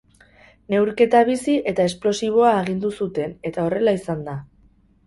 Neurketa bizi eta esplosiboa agindu zuten eta horrela izan da.